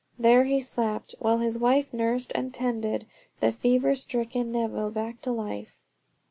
There he slept while his wife nursed and tended the fever stricken Neville back to life.